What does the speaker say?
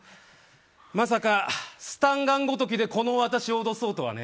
まさかスタンガンごときで、この私を脅そうとはね。